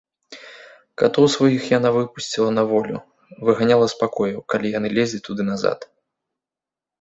Катоў сваіх яна выпусціла на волю, выганяла з пакояў, калі яны лезлі туды назад.